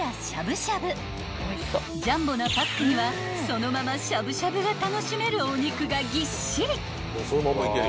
［ジャンボなパックにはそのまましゃぶしゃぶが楽しめる］